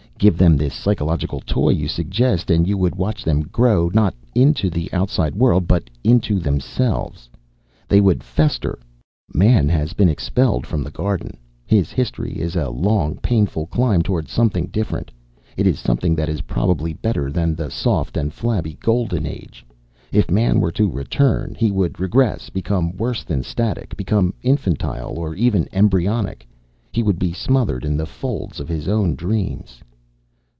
Give them this psychological toy you suggest, and you would watch them grow, not into the outside world, but into themselves. They would fester. Man has been expelled from the Garden. His history is a long, painful climb toward something different. It is something that is probably better than the soft and flabby Golden Age. If man were to return, he would regress, become worse than static, become infantile or even embryonic. He would be smothered in the folds of his own dreams."